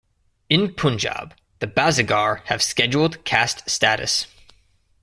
In Punjab, the Bazigar have Scheduled Caste status.